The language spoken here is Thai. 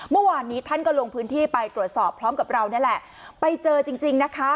เมื่อวานนี้ท่านก็ลงพื้นที่ไปตรวจสอบพร้อมกับเรานี่แหละไปเจอจริงจริงนะคะ